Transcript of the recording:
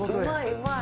うまい。